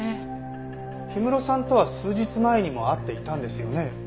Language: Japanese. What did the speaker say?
氷室さんとは数日前にも会っていたんですよね？